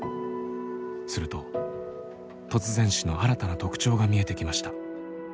すると突然死の新たな特徴が見えてきました。